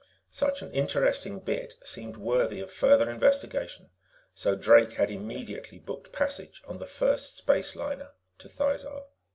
] Such an interesting bit seemed worthy of further investigation, so Drake had immediately booked passage on the first space liner to Thizar.